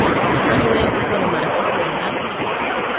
Kwani we uko na marafiki wangapi?